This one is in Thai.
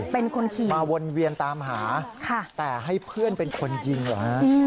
เป็นคนขี่มาวนเวียนตามหาแต่ให้เพื่อนเป็นคนยิงเหรอฮะ